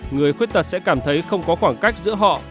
người khuyết tật sẽ cảm thấy không có khoảng cách giữa họ